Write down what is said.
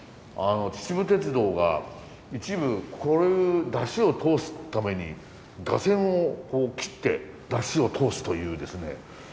秩父鉄道が一部こういう山車を通すために架線を切って山車を通すというですね。